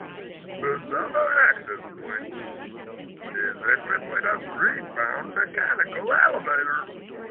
The southern access point is equipped with a street-bound mechanical elevator.